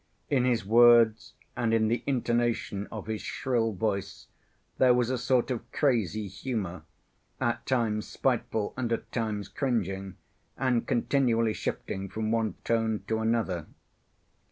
In his words and in the intonation of his shrill voice there was a sort of crazy humor, at times spiteful and at times cringing, and continually shifting from one tone to another.